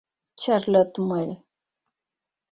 Charlotte muere.